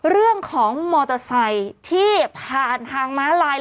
เรื่องของมอเตอร์ไซค์ที่ผ่านทางม้าลาย